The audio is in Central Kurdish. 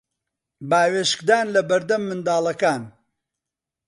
باوێشکدان لە بەردەم منداڵەکان